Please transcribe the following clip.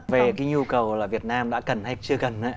về cái nhu cầu là việt nam đã cần hay chưa cần